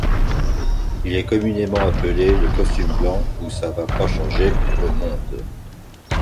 Il est communément appelé Le Costume blanc ou Ça va pas changer le monde.